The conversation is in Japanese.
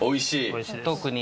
特に。